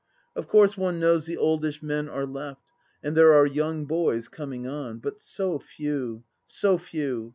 .., Of course one knows the oldish men are left, and there are young boys coming on. But so few, so few